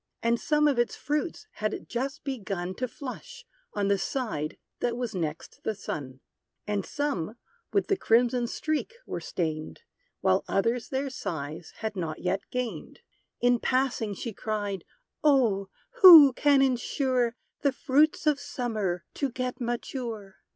And some of its fruits had just begun To flush, on the side that was next the sun; And some with the crimson streak were stained; While others their size had not yet gained. In passing she cried, "Oh! who can insure The fruits of Summer to get mature?